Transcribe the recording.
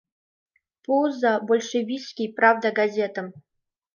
Пуыза большевистский «Правда» газетым.